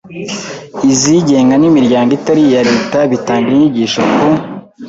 izigenga n’imiryango itari iya Leta bitanga inyigisho ku